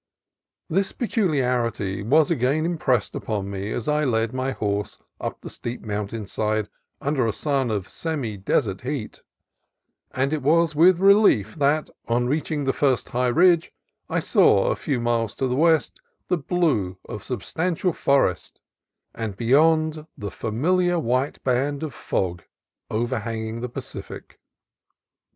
This peculiarity was again impressed upon me as I led my horse up the steep mountain side under a sun of semi desert heat, and it was with relief that, on reaching the first high ridge, I saw, a few miles to the west, the blue of substantial forest, and, beyond, the familiar white band of fog overhanging the Pacific.